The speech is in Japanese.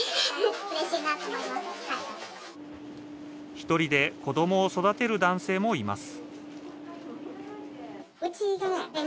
ひとりで子どもを育てる男性もいます